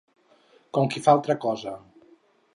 Com qui fa altra cosa.